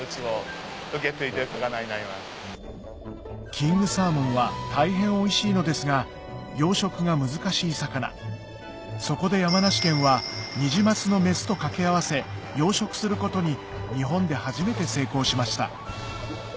キングサーモンは大変おいしいのですが養殖が難しい魚そこで山梨県はニジマスのメスと掛け合わせ養殖することに日本で初めて成功しました